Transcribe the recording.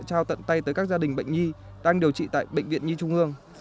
trao tận tay tới các gia đình bệnh nhi đang điều trị tại bệnh viện nhi trung ương